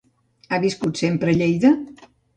Ha viscut sempre a Lleida?